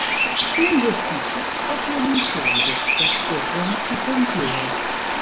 Negli uffici scoppia un incendio e accorrono i pompieri.